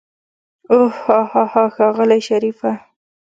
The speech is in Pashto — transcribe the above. اوح هاهاها ښاغلی شريفه.